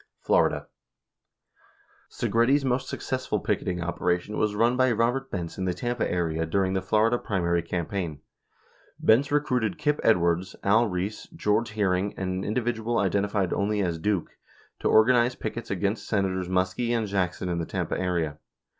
Florida: Segretti's most successful picketing operation was run by Robert Benz in the Tampa area during the Florida primary campaign. Benz recruited Kip Edwards, A1 Reese, George Hearing, and an indi vidual identified only as "Duke" to organize pickets against Senators Muskie and Jackson in the Tampa area.